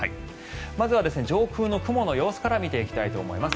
まずは上空の雲の様子から見ていきたいと思います。